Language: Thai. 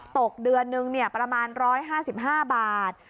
ตกเดือนนึงประมาณ๑๕๕บาท